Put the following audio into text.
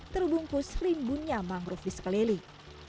terbungkus rimbunnya mangrove di sekeliling